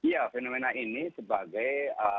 ya fenomena ini sebagai